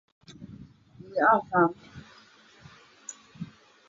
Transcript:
而家明与童昕纠缠不清的关系又如何了断呢？